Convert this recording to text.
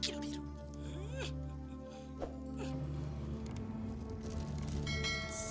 tidur lu tidur